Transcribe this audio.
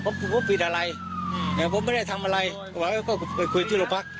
ผมก็ผิดอะไรแต่ผมไม่ได้ทำอะไรก็บอกว่าก็ไปคุยที่โรงพัก